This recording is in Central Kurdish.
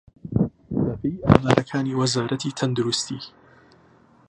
بەپێی ئامارەکانی وەزارەتی تەندروستی